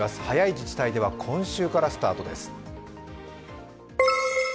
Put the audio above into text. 早い自治体では今週からスタートです。